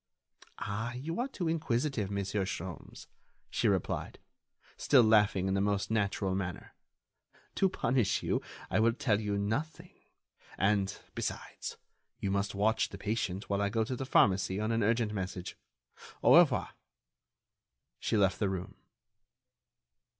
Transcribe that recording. "Ah! you are too inquisitive, Monsieur Sholmes," she replied, still laughing in the most natural manner. "To punish you I will tell you nothing, and, besides, you must watch the patient while I go to the pharmacy on an urgent message. Au revoir." She left the room.